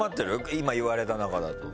今言われた中だと。